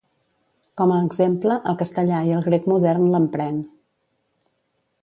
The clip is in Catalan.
Com a exemple, el castellà i el grec modern l'empren.